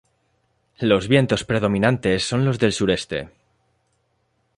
Los vientos predominantes son los del sureste.